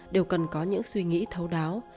đều cần có những suy nghĩ thấu đáo